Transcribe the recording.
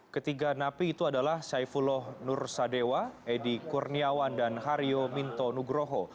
ketiga napi itu adalah saifullah nursadewa edi kurniawan dan hario minto nugroho